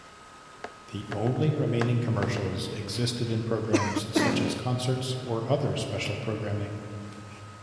The only remaining commercials existed in programs such as concerts or other special programming.